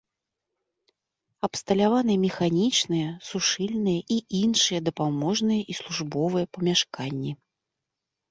Абсталяваны механічныя, сушыльныя і іншыя дапаможныя і службовыя памяшканні.